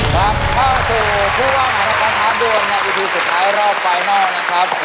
ครับเข้าถึงที่ว่าไหนนะคะท้านดวงอีพีสุดท้ายรอบไฟนัลนะครับ